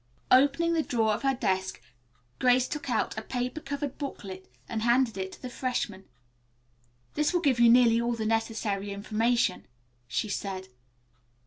Opening a drawer of her desk, Grace took out a paper covered booklet and handed it to the freshman. "This will give you nearly all the necessary information," she said.